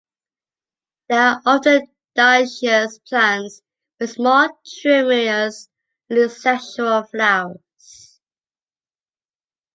They are often dioecious plants, with small, trimerous, unisexual flowers.